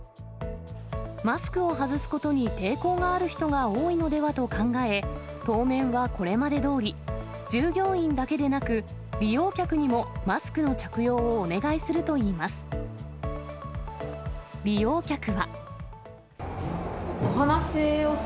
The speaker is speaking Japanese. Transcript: マスクを外すことに抵抗がある人が多いのではと考え、当面はこれまでどおり、従業員だけでなく、利用客にもマスクの着用をお願するといいます。